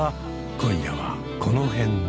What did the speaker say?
今夜はこの辺で。